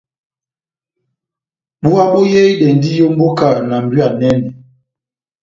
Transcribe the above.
Búwa boyehidɛndi ó mbóka na mbwiya enɛnɛ.